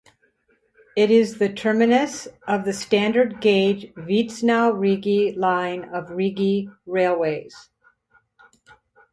It is the terminus of the standard gauge Vitznau–Rigi line of Rigi Railways.